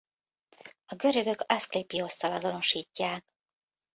A görögök Aszklépiosszal azonosítják.